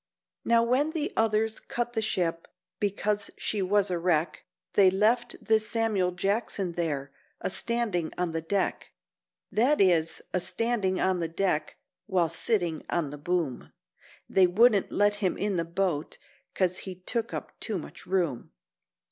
Now when the others cut the ship, because she was a wreck, They left this Samuel Jackson there, a standin' on the deck— That is, a standin' on the deck, while sittin' on the boom; They wouldn't let him in the boat 'cos he took up too much room.